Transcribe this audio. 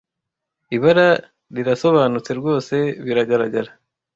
ibara rirasobanutse rwose biragaragara